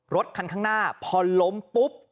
รถคันข้างหน้าพอล้มปุ๊บ